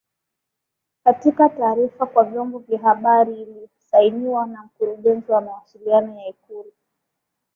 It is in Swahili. Katika taarifa kwa vyombo vya habari iliyosainiwa na Mkurugenzi wa mawasiliano ya Ikulu